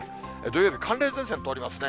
土曜日、寒冷前線通りますね。